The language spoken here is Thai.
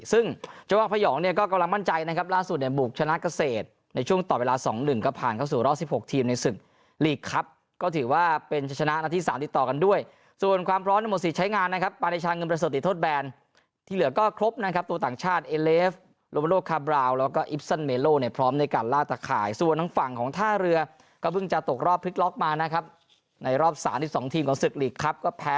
ซึ่งเฉพาะพระหยองเนี่ยก็กำลังมั่นใจนะครับล่าสุดในบุคชนะเกษตรในช่วงต่อเวลา๒๑ก็ผ่านเข้าสู่รอบ๑๖ทีมในสึกหลีกครับก็ถือว่าเป็นชนะที่๓ติดต่อกันด้วยส่วนความพร้อมในหมดสิทธิ์ใช้งานนะครับปราณิชาเงินประสบทิศโทษแบรนด์ที่เหลือก็ครบนะครับตัวต่างชาติเอเลฟโลโมโลคาบรา